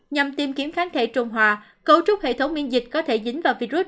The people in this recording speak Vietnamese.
nhằm tìm kiếm kháng thể trung hòa cấu trúc hệ thống miễn dịch có thể dính vào virus